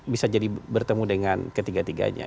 bisa jadi bertemu dengan ketiga tiganya